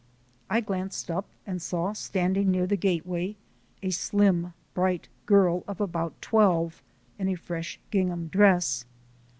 I glanced up and saw standing near the gateway a slim, bright girl of about twelve in a fresh gingham dress.